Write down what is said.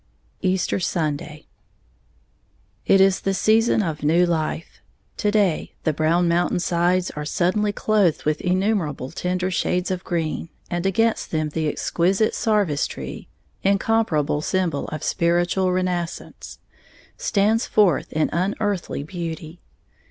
Easter Sunday. It is the season of new life. To day the brown mountain sides are suddenly clothed with innumerable tender shades of green, and against them the exquisite "sarvice" tree, incomparable symbol of spiritual renascence, stands forth in unearthly beauty.